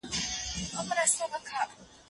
په ګڼ ځای کي د ږغ سره ډوډۍ راوړه.